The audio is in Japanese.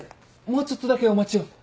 もうちょっとだけお待ちを。